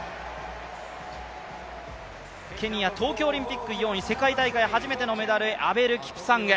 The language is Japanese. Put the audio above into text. ケニア、東京オリンピック４位、世界大会初めてのメダル、アベル・キプサング。